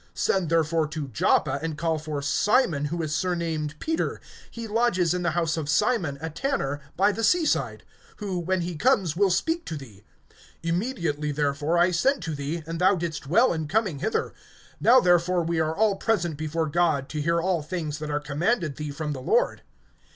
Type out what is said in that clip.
(32)Send therefore to Joppa, and call for Simon, who is surnamed Peter; he lodges in the house of Simon a tanner, by the sea side; who, when he comes will speak to thee. (33)Immediately therefore I sent to thee; and thou didst well in coming hither. Now therefore we are all present before God, to hear all things that are commanded thee from the Lord.